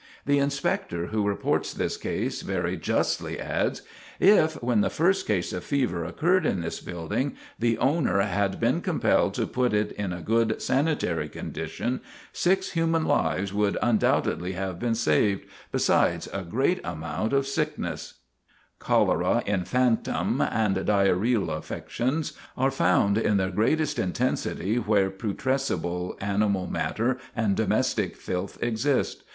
The inspector who reports this case very justly adds: "If, when the first case of fever occurred in this building, the owner had been compelled to put it in a good sanitary condition, six human lives would undoubtedly have been saved, besides a great amount of sickness." [Illustration: PLAN OF A REAR CUL DE SAC FEVER NEST, 1865] Cholera infantum and diarrhoeal affections are found in their greatest intensity where putrescible animal matter and domestic filth exist.